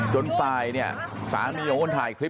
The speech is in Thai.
จนไซน์สามีของคนถ่ายคลิป